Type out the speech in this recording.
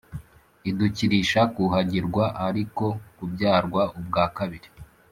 idukirisha kuhagirwa ari ko kubyarwa ubwa kabiri